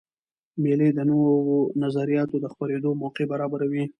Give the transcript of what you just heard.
مېلې د نوو نظریاتو د خپرېدو موقع برابروي.